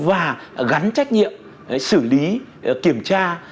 và gắn trách nhiệm xử lý kiểm tra